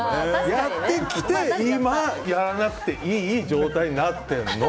やってきて、今やらなくていい状態になっているの。